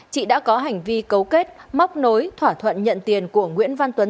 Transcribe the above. chị đã có hành vi cấu kết móc nối thỏa thuận nhận tiền của nguyễn văn tuấn